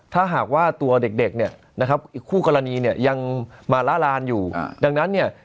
ถ้าหากว่าตัวเด็กเนี่ยนะครับอีกคู่กรณีเนี่ยยังมาละลานอยู่ดังนั้นเนี่ย